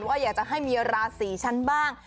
ว่าอยากจะให้มีราศีฉันบ้าง